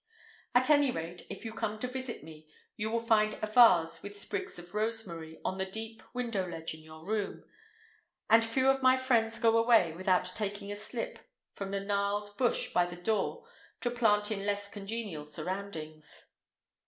At any rate, if you come to visit me you will find a vase with sprigs of rosemary on the deep window ledge in your room; and few of my friends go away without taking a slip from the gnarled bush by the door to plant in less congenial surroundings.